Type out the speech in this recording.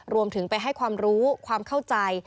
รวมถึงไปให้ความรู้ความเข้าใจ